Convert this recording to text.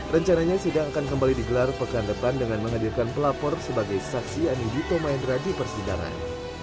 rencananya sidang akan kembali digelar pekan depan dengan menghadirkan pelapor sebagai saksi ani dito mahendra di persidangan